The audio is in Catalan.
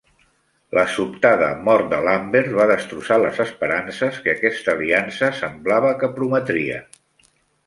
La sobtada mort de Lambert va destrossar les esperances que aquesta aliança semblava que prometria.